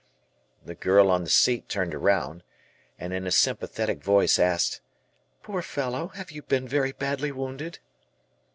The girl on the seat turned around and in a sympathetic voice asked, "Poor fellow, are you very badly wounded?"